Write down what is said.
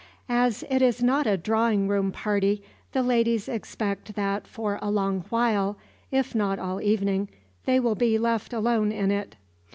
As it is not a drawing room party, the ladies expect that for a long while, if not all evening, they will be left alone in it.